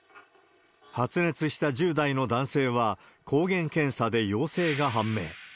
発熱した１０代の男性は、抗原検査で陽性が判明。